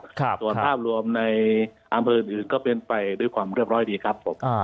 ส่วนภาพรวมในอำเภออื่นก็เป็นไปด้วยความเรียบร้อยดีครับผม